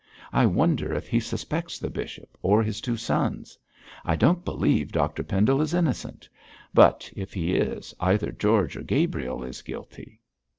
I wonder if he suspects the bishop or his two sons? I don't believe Dr Pendle is innocent; but if he is, either George or Gabriel is guilty.